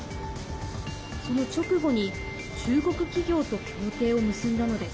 その直後に中国企業と協定を結んだのです。